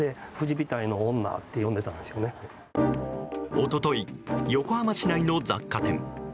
一昨日、横浜市内の雑貨店。